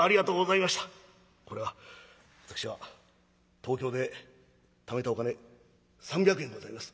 これは私が東京でためたお金３００円ございます。